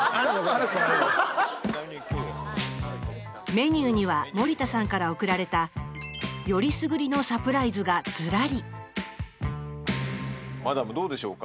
メニューには森田さんからおくられたよりすぐりのサプライズがずらりマダムどうでしょうか？